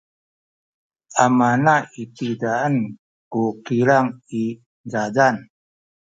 amana itizaen ku kilang i zazan.